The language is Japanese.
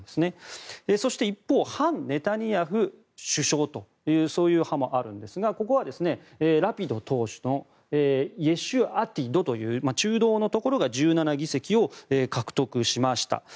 一方、反ネタニヤフ首相というそういう派閥もあるんですがここはラピド元財務相のイェシュアティドという中道のところが１７議席を獲得しました。